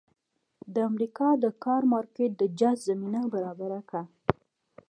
د امریکا د کار مارکېټ د جذب زمینه برابره کړه.